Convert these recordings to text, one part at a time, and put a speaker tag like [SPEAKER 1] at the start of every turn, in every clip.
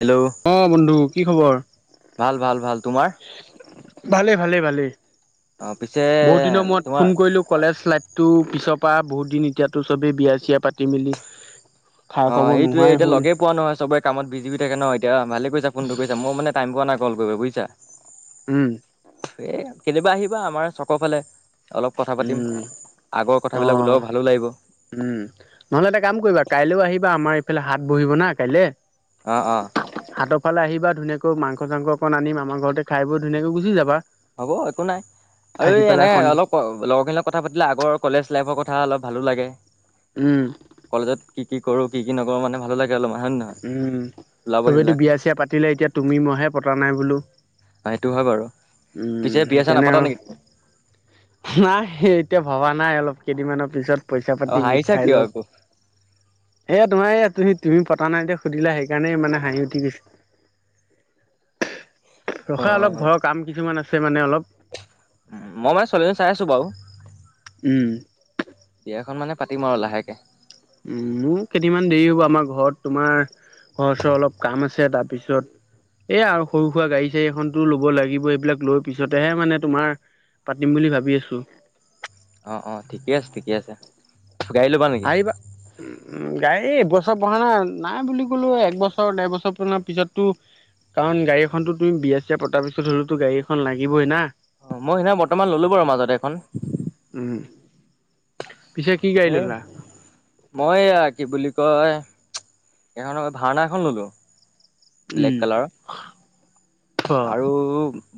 [SPEAKER 1] Hello.
[SPEAKER 2] অ বন্ধু কি খবৰ?
[SPEAKER 1] ভাল ভাল ভাল তোমাৰ?
[SPEAKER 2] ভালেই ভালেই ভালেই,
[SPEAKER 1] অ পিছে
[SPEAKER 2] বহুত দিনৰ মোৰত
[SPEAKER 1] তোমাৰ
[SPEAKER 2] ফোন কৰিলো কলেজ লাইফ- তো পিছৰ পৰা বহুত দিন এতিয়াতো চবেই বিয়া চিয়া পাতি মেলি- খা
[SPEAKER 1] অঁ
[SPEAKER 2] খবৰ
[SPEAKER 1] সেইটোয়ে
[SPEAKER 2] নোহোৱাই
[SPEAKER 1] এতিয়া
[SPEAKER 2] হ'ল
[SPEAKER 1] লগে পোৱা নহয় চবে- কামত বিজিও থাকে ন এতিয়া ভালে কৰিছা ফোনটো কৰিছা। মই টাইম পোৱা নাই কল কৰিব বুজিছা।
[SPEAKER 2] উম।
[SPEAKER 1] এ কেতিয়াবা আহিবা আমাৰ চকৰ ফালে অলপ কথা পাতিম।
[SPEAKER 2] উম
[SPEAKER 1] আগৰ
[SPEAKER 2] অ
[SPEAKER 1] কথাবিলাক ওলাব ভালো লাগিব।
[SPEAKER 2] উম, নহ'লে এটা কাম কৰিবা কাইলৈও আহিবা আমাৰ এইফালে হাট বহিব না কাইলে।
[SPEAKER 1] অঁ অঁ।
[SPEAKER 2] হাটৰফালে আহিবা ধুনীয়াকৈ মাংস চাংস অকণ আনিম আমাৰ ঘৰতে খাই বৈ ধুনীয়াকৈ গুচি যাবা।
[SPEAKER 1] হ'ব একো নাই আৰু
[SPEAKER 2] থাকি
[SPEAKER 1] এই
[SPEAKER 2] পেলাই
[SPEAKER 1] এনে
[SPEAKER 2] সন্ধি
[SPEAKER 1] অলপ লগৰখিন‌ লগত- কথা পাতিলে আগৰ কলেজ লাইফৰ কথা অলপ ভালো লাগে।
[SPEAKER 2] উম।
[SPEAKER 1] কলেজত কি কি কৰো, কি কি নকৰো মানে ভালো লাগে। গেলােি [unintelligible]
[SPEAKER 2] উম, চবেইেতো বিয়া চিয়া পাতিলে, এতিয়া তুমি মইহে পতা নাই বোলো।
[SPEAKER 1] সেইটো হয় বাৰু,
[SPEAKER 2] উম
[SPEAKER 1] পিছে বিয়া চিয়া
[SPEAKER 2] সেইকাৰণে আৰু
[SPEAKER 1] নাপাতা নেকি তুমি?
[SPEAKER 2] নাই সেই এতিয়া ভবা নাই অলপ কেইদিনমানৰ পিছত পইচা
[SPEAKER 1] অ
[SPEAKER 2] পাতি গোট
[SPEAKER 1] হাঁহিছা
[SPEAKER 2] খাই
[SPEAKER 1] কিয়
[SPEAKER 2] লওক।
[SPEAKER 1] আকৌ
[SPEAKER 2] এ, তোমাৰ এই তুমি তুমি পতা নাই তে সুধিলা সেইকাৰণে মানে হাঁহি উঠি গৈছে।
[SPEAKER 1] অ
[SPEAKER 2] ৰখা
[SPEAKER 1] অ
[SPEAKER 2] অলপ ঘৰৰ কাম কিছুমান আছে মানে অলপ।
[SPEAKER 1] মই মানে ছোৱালী এজনী চাই আছো বাৰু।
[SPEAKER 2] উম।
[SPEAKER 1] বিয়াখন মানে পাতিম আৰু লাহেকে।
[SPEAKER 2] উম, মোৰ কেইদিনান দেৰি হ'ব আমাৰ ঘৰত তোমাৰ ঘৰৰ ওচৰৰ অলপ কাম আছে তাৰপিছত- এ, আৰু সৰু সুৰা গাড়ী চাড়ী এখনতো ল'ব লাগিব এইবিলাক লৈ পিছতেহে মানে তোমাৰ- পাতিম বুলি ভাবি আছো।
[SPEAKER 1] অঁ অঁ, ঠিকে আছে ঠিকে আছে। গাড়ী ল'বা নেকি
[SPEAKER 2] আহিবা। গাড়ী এইবছৰ পঢ়া না নাই বুলি ক'লো একবছৰ ডেৰ বছৰ পৰ পিছতো- কাৰণ গাড়ী এখনটো তো বিয়া চিয়া পতাৰ পিছতো হলেতো গাড়ী এখন লাগিবই না।
[SPEAKER 1] অ' মই সেইদিনা বৰ্তমান ললো বাৰু মাজত এখন।
[SPEAKER 2] উম, পিছে কি গাড়ী
[SPEAKER 1] এ
[SPEAKER 2] ললা?
[SPEAKER 1] মই, এইয়া কি বুলি কয় এইখন ভাৰনা এখন ল'লোঁ। ব্লেক
[SPEAKER 2] উম।
[SPEAKER 1] কালাৰৰ। আৰু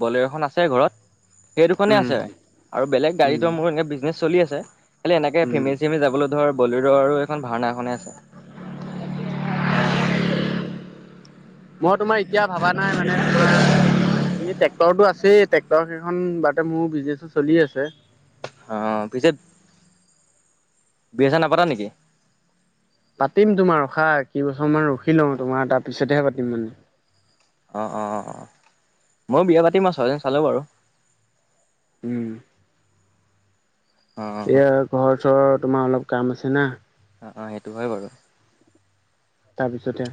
[SPEAKER 1] বলেৰু এখন আছে ঘৰত। সেই দুখনে
[SPEAKER 2] উম
[SPEAKER 1] আছে আৰু বেলেগ
[SPEAKER 2] উম
[SPEAKER 1] গাড়ীতো মোৰ এনেই বিজনেছ চলি আছে। খালি এনেকে
[SPEAKER 2] উম
[SPEAKER 1] ফেমিলি চেমিলি যাবলৈ ধৰ বলেৰু এখন ভাৰনা খনে আছে।
[SPEAKER 2] মই তোমাৰ এতিয়া ভবা নাই মানে তোমাৰ- এনেই ট্ৰেক্টৰটো আছেই, ট্ৰেকৰ কেইখন বাৰতে মোৰ বিজনেছো চলি আছে।
[SPEAKER 1] অঁ পিছে বিয়া চিয়া নাপতা নেকি?
[SPEAKER 2] পাতিম তোমাৰ ৰখা কেইবছৰমান ৰখি লওঁ তোমাৰ তাৰপিছতেহে পাতিম মানে।
[SPEAKER 1] অঁ অঁ অঁ অঁ ময়ো বিয়া পাতি মই ছোৱালজনী চালোঁ বাৰু।
[SPEAKER 2] উম।
[SPEAKER 1] অ অ
[SPEAKER 2] এয়া ঘৰ চৰৰ তোমাৰ অলপ কাম আছে না।
[SPEAKER 1] অঁ অঁ সেইটো হয় বাৰু।
[SPEAKER 2] তাৰপিছতে।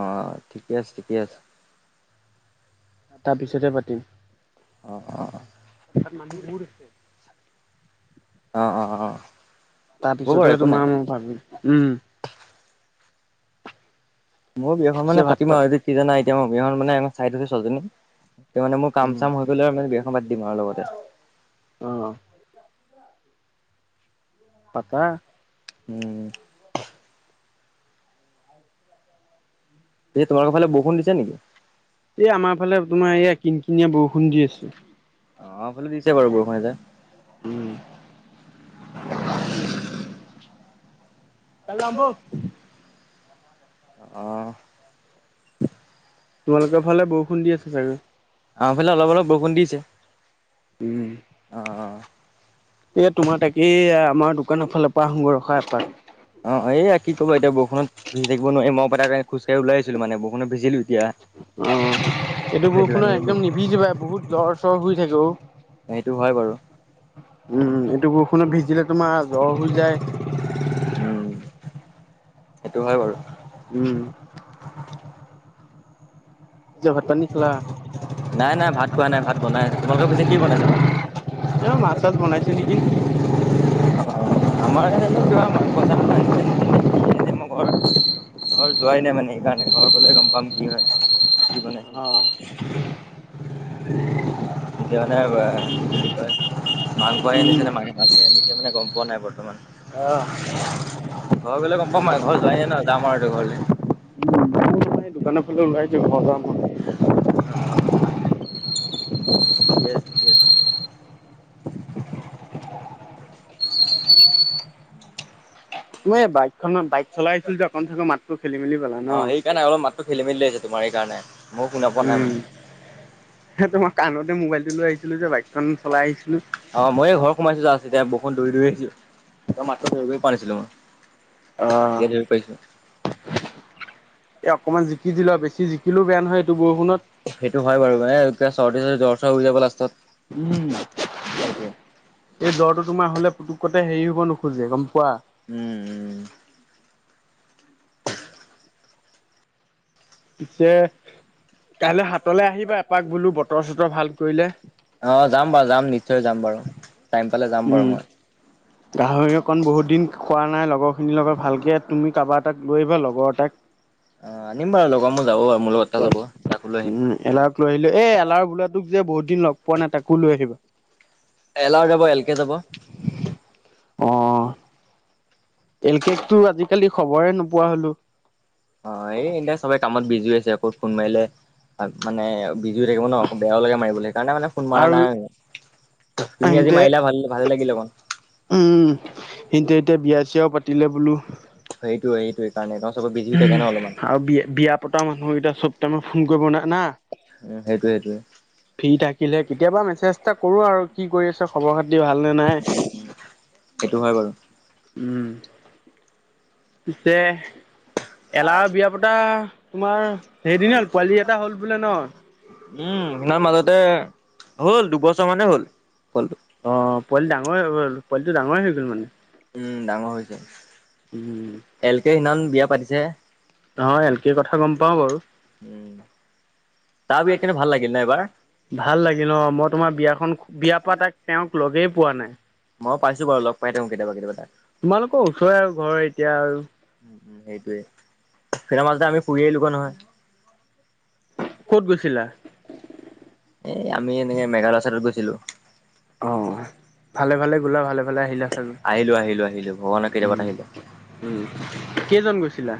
[SPEAKER 1] অঁহ ঠিকে আছে, ঠিকে আছে।
[SPEAKER 2] তাৰপিছতে পাতিম,
[SPEAKER 1] অ অ
[SPEAKER 2] তা'ত মানুহ বহুত আছে।
[SPEAKER 1] অ অ অ।
[SPEAKER 2] তাৰ
[SPEAKER 1] হ'ব বাৰু
[SPEAKER 2] পিছতেও
[SPEAKER 1] একো নাই
[SPEAKER 2] তোমাৰ মই ভাবিম উম।
[SPEAKER 1] মই বিয়াখন
[SPEAKER 2] পিছে
[SPEAKER 1] মানে
[SPEAKER 2] ভাত
[SPEAKER 1] পাতিম
[SPEAKER 2] পাত
[SPEAKER 1] আৰু এতিয়া কি জানা এতিয়া মই বিয়াখন মানে চাই থৈছোঁ ছোৱালীজনী। তই মানে মোৰ কাম
[SPEAKER 2] উম
[SPEAKER 1] চাম হৈ গ'লে আৰু মানে বিয়াখন পাতি দিম আৰু লগতে।
[SPEAKER 2] অহ। পাতা।
[SPEAKER 1] উম। সেই তোমোলোক ফালে বৰষুণৰ দিছে নেকি?
[SPEAKER 2] এই আমাৰ ফালে তোমাৰ এইয়া কিন কিনিয়া বৰষুণ দি আছো।
[SPEAKER 1] অহ। আমাৰ ফালেও দিছে বাৰু বৰষুণ এজাক।
[SPEAKER 2] উম। তাৰলে যাওঁ ব'ল।
[SPEAKER 1] অহ।
[SPEAKER 2] তোমালোকৰ ফালে বৰষুণ দি আছে চাগে?
[SPEAKER 1] আমাৰ ফালে অলপ, অলপ বৰষুণ দিছে।
[SPEAKER 2] উম।
[SPEAKER 1] অ
[SPEAKER 2] এই তোমাৰ তাকেই। আমাৰ দোকানৰ ফালৰ পৰা আহো গৈ ৰখা এপাক।
[SPEAKER 1] অ এইয়া কি কবা। এতিয়া বৰষুণত ভিজি থাকিব নোৱাৰিম মই পটকে খোজ কাঢ়ি ওলাই আহিছিলোঁ মানে বৰষুণত ভিজিলো- এতিয়া।
[SPEAKER 2] এইটো
[SPEAKER 1] সেইটো
[SPEAKER 2] বৰষুণত
[SPEAKER 1] কাৰণে
[SPEAKER 2] একদম নিভিজিবাই বহুত জ্বৰ-চৰ হৈ থাকে অ।
[SPEAKER 1] সেইটো হয় বাৰু।
[SPEAKER 2] উম উম। এইটো বৰষুণত ভিজিলে তোমাৰ জ্বৰ হৈ যায়।
[SPEAKER 1] উম। সেইটো হয় বাৰু।
[SPEAKER 2] উম। এতিয়া ভাত পানী খালা?
[SPEAKER 1] নাই নাই ভাত খোৱা নাই ভাত বনাই আছে। তোমালোকৰ পিছে কি বনাইছে ভাত?
[SPEAKER 2] এ' মাছ-চাছ বনাইছে নেকি।
[SPEAKER 1] অ আমাৰ সেই জানোঁ কিবা মাংস-চাংস আনিছে নে'কিয়ে। এ মই ঘৰত আছোঁ। ঘৰ যোৱাই নাই মানে সেইকাৰণে ঘৰ গ'লে গম পাম কি হয় কি বনাই।
[SPEAKER 2] [unintelligible]
[SPEAKER 1] এতিয়া মানে- কয় মাংস আনিছে
[SPEAKER 2] উম
[SPEAKER 1] নে মাকে মাছে আনিছে মানে গম পোৱা নাই বৰ বৰ্তমান।
[SPEAKER 2] আহ
[SPEAKER 1] ঘৰ গ'লে গম পাম আৰু ঘৰ যোৱাই নাই যাম আৰু এতিয়া ঘৰলে।
[SPEAKER 2] উম। মোৰ তোমাৰ এই দোকানৰ ফালে ওলাই আহিছোঁ ঘৰ যাম মই।
[SPEAKER 1] অহ। Gas gas.
[SPEAKER 2] [unintelligible] মই এই বাইকখনত বাইক চলাই আহিছিলোঁ যে অকণ-চাকণ মাতটো খেলি-মেলি পালা ন'?
[SPEAKER 1] টো খেলি-মেলি আহিছে তোমাৰ সেইকাৰণে। ময়ো শুনা পোৱা নাই
[SPEAKER 2] উম।
[SPEAKER 1] মানে
[SPEAKER 2] সেটোমা কাণতে মোবাইলটো লৈ আহিছিলোঁ যে বাইকখন চলাই আহিছিলোঁ।
[SPEAKER 1] অহ মইও ঘৰ সোমাইছোঁ যাচ। এতিয়া বৰষুণ দৌৰি দৌৰি আহিছোঁ। তোমাৰ মাত টো ধৰিবই পাৰা নাছিলোঁ মই।
[SPEAKER 2] অ
[SPEAKER 1] এতিয়া ধৰিব পাৰিছোঁ?
[SPEAKER 2] এই অকণমান জিকি দিলোঁ আৰু বেছি জিকিলোঁ বেয়া নহয় এইটো বৰষুণত।
[SPEAKER 1] সেইটো হয় বাৰু। মানে এতিয়া চৰ্দি-চৰ্দি জ্বৰ-চৰ হৈ যাব লাষ্টত সেইটোৱে।
[SPEAKER 2] এই জ্বৰটো তোমাৰ হ'লে পুতুকতে হেৰি হ'ব নোখোজে গম পোৱা।
[SPEAKER 1] উম। উম
[SPEAKER 2] পিছে কাইলৈ হাত- তলে আহিবা এপাক বোলোঁ বতৰ চতৰ ভাল কৰিলে।
[SPEAKER 1] অ যাম বাৰু যাম নিশ্চয় যাম বাৰু টাইম পালে যাম বাৰু মই।
[SPEAKER 2] [unintelligible] গাহৰি অকণ বহুত দিন খোৱা নাই লগৰখিনিৰ লগত ভালকে তুমি কাবা এটাক লৈ আহিবা লগৰ এটাক।
[SPEAKER 1] অঁহ নিম বাৰু লগত মোৰ যাব মোৰ লগত। এটা যাব তাকো লৈ আহিম
[SPEAKER 2] উমঁ, এলাহক লৈ আহিলো এই এলাহাৰৰ বোলাত- তোক যে বহুত দিন লগ পোৱা নাই তাকো লৈ আহিবা।
[SPEAKER 1] এলাও যাব এল কে যাব অ
[SPEAKER 2] অঁহ। এল কেকটো আজিকালি খবৰে নোপোৱা হ'লো।
[SPEAKER 1] অঁ এই এতিয়া চবেই কামত বিজি হৈ আছে আকৌ ফোন মাৰিলে মানে বিজি হৈ থাকিব ন'। বেয়াও লাগে মাৰিবলৈ সেইকাৰণে মানে ফোন মাৰা নাই আৰু। তুমি আজি মাৰিলা ভাল ভালে লাগিলে বাৰু।
[SPEAKER 2] উমঁ উমঁ। সিহঁনতেএতিয়া বিয়া-চিয়াও পাতিলে বোলো।
[SPEAKER 1] সেইটোৱেই সেইটোৱেই কাৰণে তেওঁ চবৰ বিজি হৈ থাকে ন অলপমান।
[SPEAKER 2] আৰু বিয়া বিয়া। পতা মানুহকেইটা চব টাইমত ফোন কৰিব ন না।
[SPEAKER 1] উম সেইটোৱে সেইটোৱে।
[SPEAKER 2] ফ্ৰী থাকিলহে কেতিয়াবা মেছেজ এটা কৰো আৰু কি কৰি আছ খবৰ খাতি ভাল নে নাই।
[SPEAKER 1] উম সেইটো হয় বাৰু।
[SPEAKER 2] উ'ম। পিছে। এলাহৰ বিয়া পতা তোমাৰ সেইদিন হ'ল পোৱালি এটা হ'ল বোলে ন।
[SPEAKER 1] উম সেই দিনা মাজতে হ'ল দুবছৰ মানে হ'ল পোৱালটো।
[SPEAKER 2] অঁ পোৱালি ডাঙৰ হৈ গ'ল, পোৱালিটো ডাঙৰেই হৈ গ'ল মানে।
[SPEAKER 1] উম ডাঙৰ হৈছে।
[SPEAKER 2] উ'ম।
[SPEAKER 1] এল কে সেদিনাখন বিয়া পাতিছে হে।
[SPEAKER 2] অহ এল কে কথা গম পাওঁ বাৰু।
[SPEAKER 1] উম তাৰ বিয়াত কিন্তু ভাল লাগিল ন এইবাৰ
[SPEAKER 2] ভাল লাগিল অঁ মই তোমাৰ বিয়াখন বিয়াৰ পা তাক তেওঁক লগেই পোৱা নাই।
[SPEAKER 1] মই পাইছো বাৰু লগ পাই থাকো কেতিয়াবা কেতিয়াবা তাক
[SPEAKER 2] তোমালোকৰ ওচৰে আৰু ঘৰ এতিয়া আৰু।
[SPEAKER 1] উম উম সেইটোৱে, সেইদিনা মাজতে আমি ফুৰি আহিলো গৈ নহয়।
[SPEAKER 2] ক'ত গৈছিলা?
[SPEAKER 1] এই আমি এনেকে মেঘালয় চাইটত গৈছিলো।
[SPEAKER 2] অঁ ভালে ভালে গ'লা ভালে ভালে আহিলা।
[SPEAKER 1] আহিলো আহিলো আহিলো ভগৱানৰ কৃপাত
[SPEAKER 2] উম
[SPEAKER 1] আহিলো।
[SPEAKER 2] উম কেইজন গৈছিলা?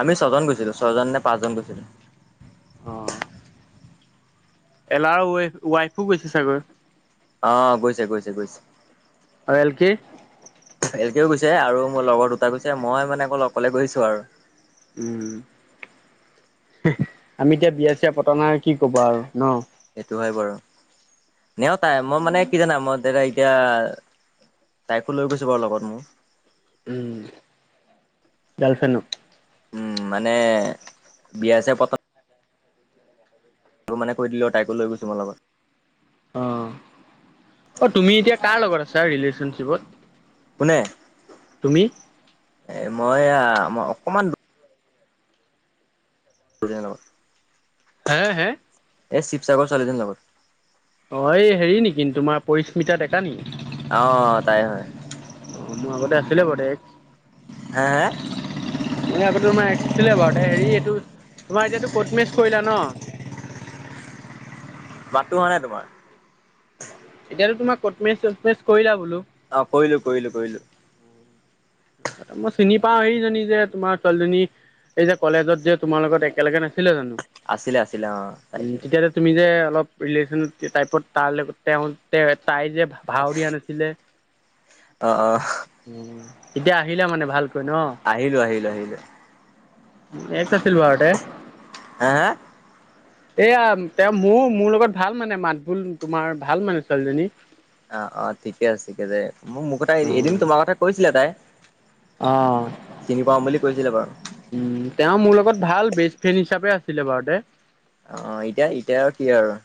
[SPEAKER 1] আমি ছয়জন গৈছিলো ছয়জন নে পাঁচজন গৈছিলো।
[SPEAKER 2] অ'হ। এলাৰ ৱাই ৱাইফো গৈছে চাগৈ।
[SPEAKER 1] অ গৈছে গৈছে গৈছে।
[SPEAKER 2] অ এলকে?
[SPEAKER 1] এল কেও গৈছে আৰু মোৰ লগৰ দুটা গৈছে, মই মানে অকলে গৈছো আৰু।
[SPEAKER 2] উম আমি এতিয়া বিয়া চিয়া পতা নাই কি কবা আৰু ন।
[SPEAKER 1] সেইটো হয় বাৰু, এনেও তাই মই মানে কি জানা মই দাদা এতিয়া- তাইকো লৈ গৈছো বাৰু লগত মোৰ।
[SPEAKER 2] উম, গাৰলফেনক।
[SPEAKER 1] উম মানে বিয়া চিয়া পতা। কৰো মানে কৈ দিলোঁ তাইক লৈ গৈছো মই লগত।
[SPEAKER 2] অঁ, অ তুমি এতিয়া কাৰ লগত আছা ৰিলেশ্যনশ্বিপত।
[SPEAKER 1] কোনে?
[SPEAKER 2] তুমি।
[SPEAKER 1] এ মই আম অকমান [unintelligible]
[SPEAKER 2] হে হে?
[SPEAKER 1] এই শিৱসাগৰ ছোৱালী এজনীৰ লগত।
[SPEAKER 2] অ এই হেৰি নেকি তোমাৰ পৰিচ মিতা ডেকা নি।
[SPEAKER 1] অ তাই হয়।
[SPEAKER 2] অ মোৰ আগতে আছিলি বাৰু এক্স।
[SPEAKER 1] হে হে
[SPEAKER 2] মানে আগতে তোমাৰ এক্স আছিলে বাৰুতে হেৰি এইটো, তোমাৰ এতিয়া কট মেৰিজ কৰিলা ন?
[SPEAKER 1] মাতো হোৱা নাই তোমাৰ?
[SPEAKER 2] এতিয়াতো তোমাক কটমেচ চটমেচ কৰিলা বোলো।
[SPEAKER 1] অ কৰিলো কৰিলো কৰিলো।
[SPEAKER 2] মই চিনি পাওঁ সেইজনী যে তোমাৰ ছোৱালীজনী এই যে কলেজত যে তোমাৰ লগত একেলগে নাছিলে জানো?
[SPEAKER 1] আছিলে আছিলে অ তাই
[SPEAKER 2] উম,
[SPEAKER 1] হয়।
[SPEAKER 2] তেতিয়া যে তুমি যে অলপ ৰিলেশ্যন টাইপত তাৰ লগত তেও তেওঁ তাই যে ভাউ দিয়া নাছিলে,
[SPEAKER 1] অ অ
[SPEAKER 2] অ। এতিয়া আহিলে মানে ভালকৈ ন!
[SPEAKER 1] আহিলো আহিলো আহিলো
[SPEAKER 2] এক আছিল বাৰতে
[SPEAKER 1] হা হা
[SPEAKER 2] এয়া, তেওঁ মোৰ মোৰ লগত ভাল মানে মাত বোল তোমাৰ ভাল মানে ছোৱালীজনী।
[SPEAKER 1] অ অ ঠিকে আছে ঠিকে আছে, মো মোক এ তাই এদিন তোমাৰ কথা কৈছিলে তাই?
[SPEAKER 2] অ।
[SPEAKER 1] চিনি পাওঁ বুলি কৈছিলে বাৰু
[SPEAKER 2] উম তেওঁ মোৰ লগত ভাল বেষ্ট ফ্ৰেণ্ড হিচাপে আছিলে বাৰু তাই।
[SPEAKER 1] অ' এতিয়া এতিয়া আৰু কি আৰু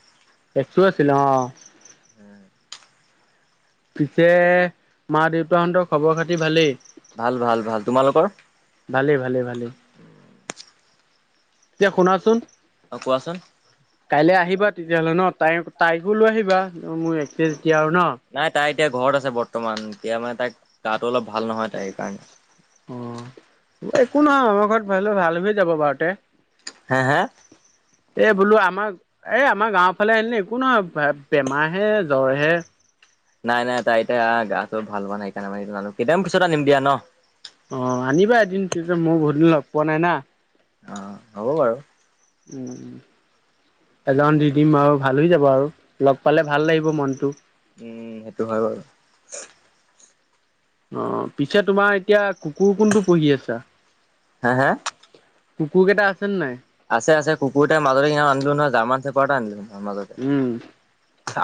[SPEAKER 2] এক্সো আছিল অ।
[SPEAKER 1] [unintelligible]
[SPEAKER 2] পিছে মা -দেউতাহঁতৰ খবৰ খাতি ভালেই?
[SPEAKER 1] ভাল ভাল ভাল। তোমালোকৰ?
[SPEAKER 2] ভালে, ভালে, ভালে, এতিয়া শুনাচোন?
[SPEAKER 1] অ কোৱাচোন?
[SPEAKER 2] কাইলৈ আহিবা তেতিয়াহ'লে ন তাই তাইকো লৈ আহিবা মোৰ এক্স এ যেতিয়া আৰু ন?
[SPEAKER 1] নাই তাই এতিয়া ঘৰত আছে বৰ্তমান, এতিয়া মানে তাই গাটো অলপ ভাল নহয় তাই সেইকাৰণে।
[SPEAKER 2] অ, একো নহয় আমাৰ ঘৰত ভাবিলে ভাল হ যাব বাৰুতে।
[SPEAKER 1] হে হে
[SPEAKER 2] এই বোলো আমাৰ এই আমাৰ গাঁওৰ ফালে আনিলে একো নহয় বেমাৰে, জ্বৰ হে।
[SPEAKER 1] নাই নাই তাই এতিয়া গাটো ভাল হোৱা নাই সেইকাৰণে জানো কেতিমান পিছত আনিম দিয়া ন?
[SPEAKER 2] অ আনিবা এদিন তেতিয়া মই বহুত দিন লগ পোৱা নাই না?
[SPEAKER 1] অ হ'ব বাৰু।
[SPEAKER 2] [unintelligible] এজন দি দিম আৰু ভাল হৈ যাব আৰু লগ পালে ভাল লাগিব মনটো।
[SPEAKER 1] উম সেইটো হয় বাৰু।
[SPEAKER 2] অ পিছে তোমাৰ এতিয়া কুকুৰ কোনটো পুহি আছা?
[SPEAKER 1] হে হে?
[SPEAKER 2] কুকুৰ কেইটা আছেনে নে নাই?
[SPEAKER 1] আছে আছে। কুকুৰতে মাজুলী নাম আনিলো নহয় জাৰমান চেপৰা এটা আনিলো মাজত।
[SPEAKER 2] উম।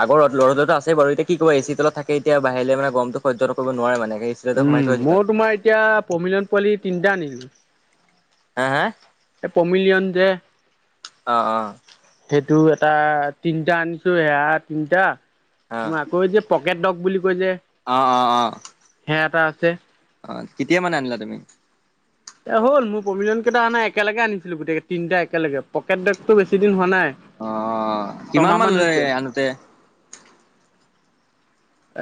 [SPEAKER 1] আগৰ‌ ৰদ লৰদু তো আছে বাৰু এতিয়া কি কৰিব এ চি তলত থাকে এতিয়া বাহ আহিলে মানে গৰমটো সহ্য কৰিব নোৱাৰে মানে তলতে সোমাই
[SPEAKER 2] উম,
[SPEAKER 1] থৈ আহিছো তাক।
[SPEAKER 2] মই তোমাৰ এতিয়া প্ৰমিলন পোৱালি তিনিটা আনিলো।
[SPEAKER 1] হা হা!
[SPEAKER 2] এ‌ পমিলিয়ন যে?
[SPEAKER 1] অ অ।
[SPEAKER 2] সেইটো এটা তিনিটা আনিছো সেয়া তিনিটা
[SPEAKER 1] অ
[SPEAKER 2] তোমাৰ আকৌ যে পকেট ডগ বুলি কয় যে।
[SPEAKER 1] অ' অ' অ'।
[SPEAKER 2] হে এটা আছে।
[SPEAKER 1] অ কেতিয়া মানে আনিলা তুমি?
[SPEAKER 2] এ হ'ল মোৰ প্ৰভিজনকেইটা অনা, একেলগে আনিছিলো গোটেকেইটা, তিনিটা একেলগে। পকেট বেগটো বেছি দিন হোৱা নাই। ছমাহ মান হৈছে।
[SPEAKER 1] নুঠে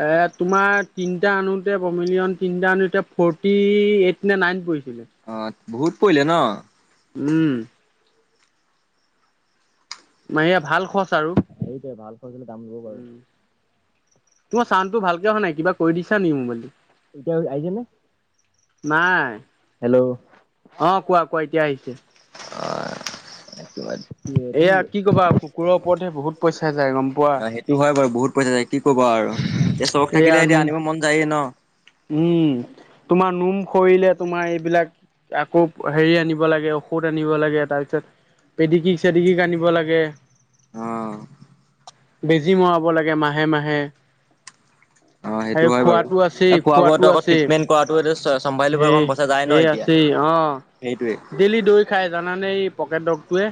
[SPEAKER 2] এ তোমাৰ তিনিটা আনোতে, পমিলিয়ন তিনিটা আনোতে ফৰ্টি-এইট নে নাইন পৰিছিলে।
[SPEAKER 1] অ' বহুত পৰিলে ন?
[SPEAKER 2] উম। মায়া, ভাল খৰচ আৰু!
[SPEAKER 1] সেইটোৱে, ভাল কৈ পেনি দাম ল'ব বাৰু!
[SPEAKER 2] উম। তোমাৰ চাউণ্ডটো ভালকে অহা নাই। কিবা কৰি দিছা নি মোবাইলটো?
[SPEAKER 1] এতিয়া আহিছে নে
[SPEAKER 2] নাই।
[SPEAKER 1] হেল্ল'।
[SPEAKER 2] অ কোৱা কোৱা এতিয়া আহিছে।
[SPEAKER 1] অ' হেপ্পী বাৰ্থডে কি এটো
[SPEAKER 2] এয়া
[SPEAKER 1] নেকি?
[SPEAKER 2] কি কবা কুকুৰৰ ওপৰতহে বহুত পইচা যায় গম পোৱা।
[SPEAKER 1] অ' সেই টো হয় বাৰু! বহুত পইচা যায় কি ক'বা আৰু! এতিয়া চখ
[SPEAKER 2] এয়া
[SPEAKER 1] থাকিলে এতিয়া
[SPEAKER 2] নোম
[SPEAKER 1] আনিব মন যায়েই ন?
[SPEAKER 2] উম তোমাৰ নোম সৰিলে, তোমাৰ এইবিলাক আকৌ হেৰি আনিব লাগে, ঔষধ আনিব লাগে। তাৰ পিছত পেডিকি-চেডিকিক আনিব লাগে।
[SPEAKER 1] অ'।
[SPEAKER 2] বেজি মৰাব লাগে মাহে-মাহে।
[SPEAKER 1] অ সেইটো
[SPEAKER 2] আৰু
[SPEAKER 1] হয় বাৰু
[SPEAKER 2] খোৱাটো আছেই,
[SPEAKER 1] খোৱা বোৱাটো
[SPEAKER 2] খোৱাটো
[SPEAKER 1] আকৌ
[SPEAKER 2] আছেই।
[SPEAKER 1] ট্ৰিটমেণ্ট কৰাটো এইটো চম্ভালি
[SPEAKER 2] সেই সেই আছে। তেই অ'।
[SPEAKER 1] সেইটোৱেই।
[SPEAKER 2] ডেইলি দৈ খায় জানানে? এই পকেট ডগটোৱে।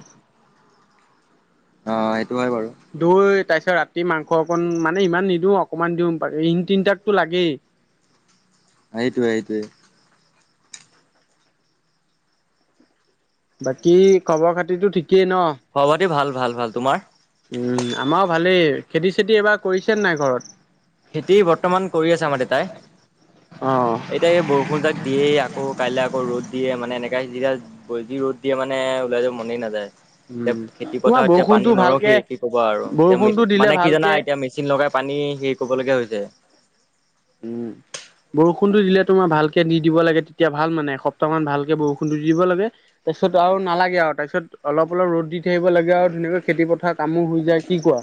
[SPEAKER 1] অ' সেইটো হয় বাৰু!
[SPEAKER 2] দৈ, তাৰপিছত ৰাতি মাংস অকণ, মানে ইমান নিদিওঁ অকমান দিওঁ। বা ইন তিনিটাকতো লাগেই।
[SPEAKER 1] সেইটোৱে সেইটোৱে।
[SPEAKER 2] বাকী খবৰ-খাতিটো ঠিকেই ন?
[SPEAKER 1] খবৰ-খাতি ভাল ভাল ভাল। তোমাৰ?
[SPEAKER 2] উম। আমাও ভালেই। খেতি-চেতি এইবাৰ কৰিছেনে নাই ঘৰত?
[SPEAKER 1] খেতি বৰ্তমান কৰি আছে আমাৰ দেতাই।
[SPEAKER 2] অ
[SPEAKER 1] এতিয়া এই বৰষু ষুণজাক দিয়েই, আকৌ কাইলে আকৌ ৰ'দ দিয়ে মানে, এনেকা হিজিৰাজ বৈগি ৰ'দ দিয়ে মানে, ওলাই যাব মনেই নাযায়।
[SPEAKER 2] উম,
[SPEAKER 1] এতিয়া
[SPEAKER 2] তোমাৰ
[SPEAKER 1] খেতিপথাৰত এতিয়া পানী
[SPEAKER 2] বৰষুণটো ভালকে
[SPEAKER 1] নৰখেই কি ক'বা আৰু! এতিয়া মে
[SPEAKER 2] বৰষুণটো দিলে
[SPEAKER 1] মানে কি জানা
[SPEAKER 2] ভালকে
[SPEAKER 1] এতিয়া মেচিন চিন লগাই পানী হেৰি কৰিবলগীয়া হৈছে।
[SPEAKER 2] উম। বৰষুণটো দিলে তোমাৰ ভালকে দি দিব লাগে। তেতিয়া ভাল মানে, এসপ্তাহমান ভালকে বৰষুণটো দি দিব লাগে! তাৰপিছত আৰু নালাগে আৰু! তাৰপিছত অলপ অলপ ৰ'দ দি থাকিব লাগে আও, ধুনীয়াকৈ খেতিপথাৰৰ কামো হৈ এতিয়া কি কোৱা?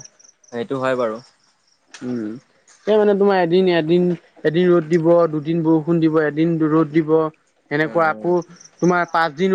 [SPEAKER 1] সেইটো হয় বাৰু।
[SPEAKER 2] উম। এই মানে তোমাৰ এদিন এদিন, এদিন ৰ'দ দিব! দুদিন বৰষুণ দিব! এদিন ৰ'দ দিব! সেনেকুৱা
[SPEAKER 1] উম উম
[SPEAKER 2] আকৌ, তোমাৰ পাঁচ দিন ৰ'দ